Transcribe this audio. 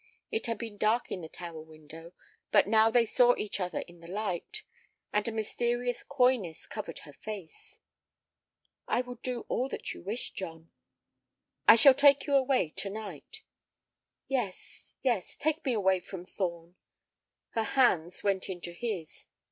It had been dark at the tower window, but now they saw each other in the light, and a mysterious coyness covered her face. "I will do all that you wish, John." "I shall take you away to night." "Yes, yes; take me away from Thorn." Her hands went into his.